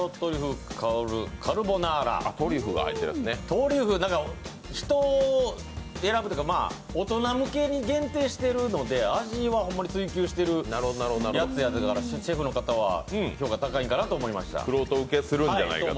トリュフ、人を選ぶというか大人向けに限定しているので味はホンマに追求しているやつやからシェフの方は評価が高いのかなと思いました。